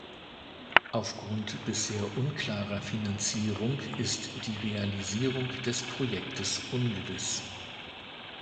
Aufgrund bisher unklarer Finanzierung ist die Realisierung des Projektes ungewiss.